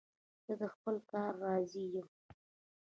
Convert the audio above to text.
زه له خپل کار راضي یم.